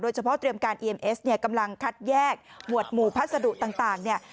เฉพาะเตรียมการเอียมเอสเนี่ยกำลังคัดแยกหมวดหมู่พัสดุต่างเนี่ย